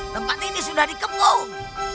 tempat ini sudah dikemung